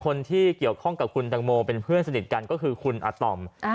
คนที่เกี่ยวข้องกับคุณตังโมเป็นเพื่อนสนิทกันก็คือคุณอาตอม